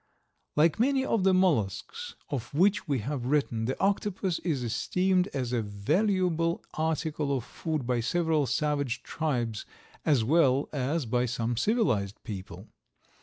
Like many of the mollusks of which we have written the octopus is esteemed as a valuable article of food by several savage tribes as well as by some civilized people.